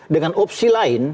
dengan opsi lain